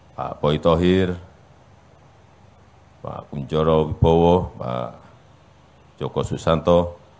pak poi tohir pak kunchoro wibowo pak joko susanto